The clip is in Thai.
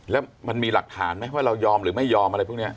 แล้วมันมีหลักฐานไหมว่าเรายอมหรือไม่ยอมอะไรพวกนี้